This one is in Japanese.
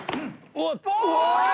お！